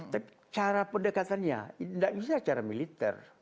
tapi cara pendekatannya tidak bisa secara militer